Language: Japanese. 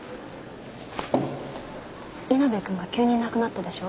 稲辺君が急にいなくなったでしょ。